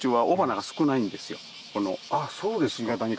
あっそうですか。